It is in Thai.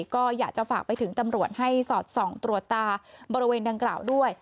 ก็อยากจะฝากไปถึงตำรวจให้สอดส่องตรวจตาบริเวณดังกล่าวด้วย